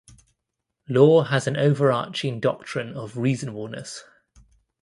Law has an overarching doctrine of reasonableness.